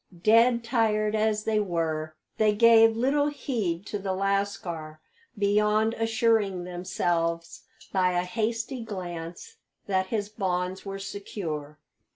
Dead tired as they were, they gave little heed to the lascar beyond assuring themselves by a hasty glance that his bonds were secure.